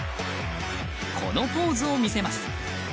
このポーズを見せます。